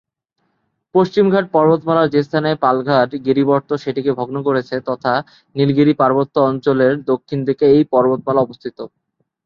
পশ্চিমঘাট পর্বতমালার যে স্থানে পালঘাট গিরিবর্ত্ম সেটিকে ভগ্ন করেছে, তথা নীলগিরি পার্বত্য অঞ্চলের দক্ষিণ দিকে এই পর্বতমালা অবস্থিত।